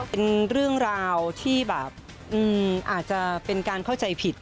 เป็นเรื่องราวที่แบบอาจจะเป็นการเข้าใจผิด